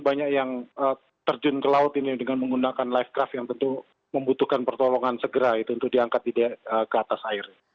banyak yang terjun ke laut ini dengan menggunakan lifecraft yang tentu membutuhkan pertolongan segera itu untuk diangkat ke atas air